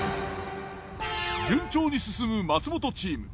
順調に進む松本チーム。